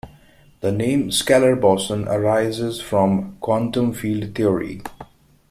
The name "scalar boson" arises from quantum field theory.